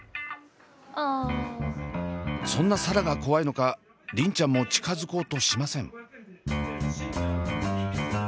そんな紗蘭が怖いのか梨鈴ちゃんも近づこうとしません。